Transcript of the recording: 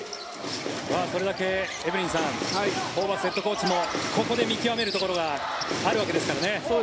それだけエブリンさんホーバスヘッドコーチもここで見極めるところがあるわけですからね。